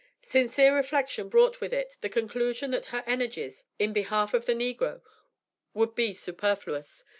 Sincere reflection brought with it the conclusion that her energies in behalf of the negro would be superfluous.